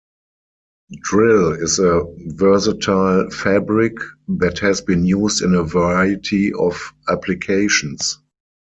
Drill is a versatile fabric that has been used in a variety of applications.